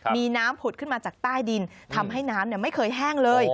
มีน้ำผุดขึ้นมาจากใต้ดินทำให้น้ำไม่เคยแห้งเลย